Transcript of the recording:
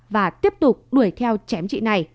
và tiếp tục đuổi theo chém chị này